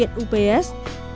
máy lưu điện ups